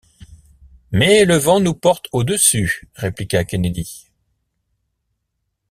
Mais le vent nous porte au-dessus, répliqua Kennedy.